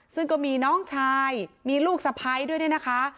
ซึ่งก็มีน้องชายมีลูกสะพ้ายด้วยเนี่ยนะคะ